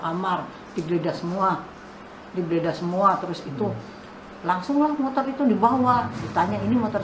kamar digeledah semua dibeda semua terus itu langsunglah motor itu dibawa ditanya ini motor